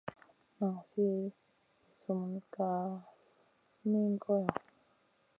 Nan fi al sumun sa ka niyn goyo.